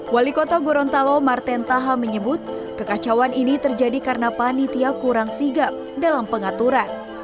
wali kota gorontalo marten taha menyebut kekacauan ini terjadi karena panitia kurang sigap dalam pengaturan